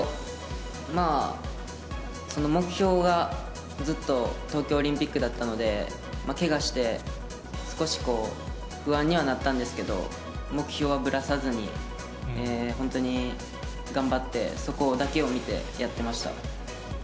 目標がずっと東京オリンピックだったので、けがして、少しこう、不安にはなったんですけど、目標はぶらさずに、本当に頑張って、そこだけを見て、やってました。